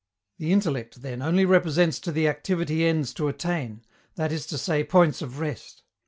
The intellect, then, only represents to the activity ends to attain, that is to say, points of rest.